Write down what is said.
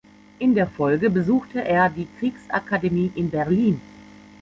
In der Folge besuchte er die Kriegsakademie in Berlin.